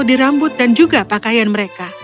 di rambut dan juga pakaian mereka